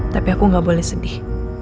tapi aku nggak boleh sedih